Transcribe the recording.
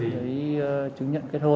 giấy chứng nhận kết hôn